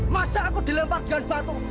masa aku dilempar dengan batu